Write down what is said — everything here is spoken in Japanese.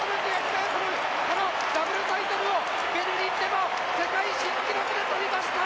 このダブルタイトルをベルリンでも世界新記録で取りました！